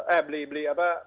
eh beli beli apa